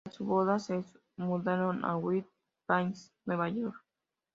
Tras su boda, se mudaron a White Plains, Nueva York.